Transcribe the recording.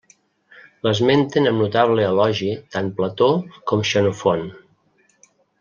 L'esmenten amb notable elogi tant Plató com Xenofont.